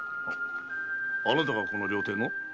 あなたがこの料亭の？